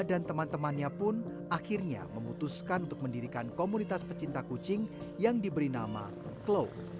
dan teman temannya pun akhirnya memutuskan untuk mendirikan komunitas pecinta kucing yang diberi nama cloak